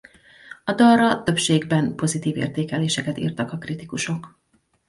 A dalra többségben pozitív értékeléseket írtak a kritikusok.